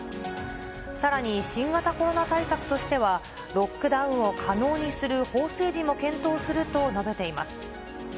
さらに新型コロナ対策としては、ロックダウンを可能にする法整備も検討すると述べています。